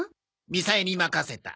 みさえに任せた。